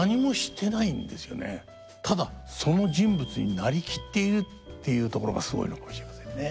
ただ「その人物になりきっている」っていうところがすごいのかもしれませんね。